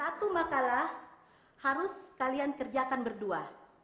satu makalah harus kalian kerjakan berdua